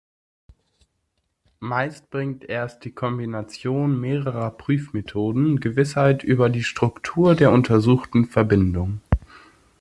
Meist bringt erst die Kombination mehrerer Prüfmethoden Gewissheit über die Struktur der untersuchten Verbindung.